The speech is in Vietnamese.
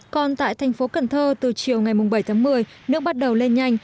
còn tại tp cn từ chiều ngày bảy một mươi nước bắt đầu lên nhanh